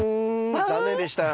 残念でした。